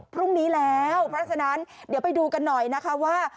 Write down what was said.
พรุ่งนี้แล้วเพราะฉะนั้นเดี๋ยวไปดูกันหน่อยนะคะว่า